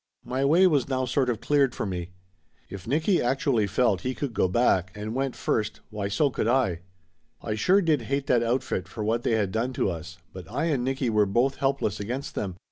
My way was now sort of cleared for me. If Nicky actually felt he could go back, and 266 Laughter Limited went first, why so could I. I sure did hate that outfit for what they had done to us, but I and Nicky were both helpless against them.